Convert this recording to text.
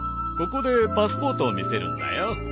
ここでパスポートを見せるんだよ。